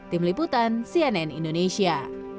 tim liputan cnn indonesia